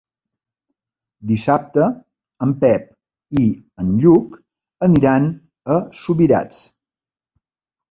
Dissabte en Pep i en Lluc aniran a Subirats.